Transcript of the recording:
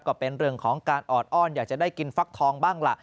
ก็เป็นเรื่องของการออดอ้อนอยากจะได้กินฟักทองบ้างล่ะ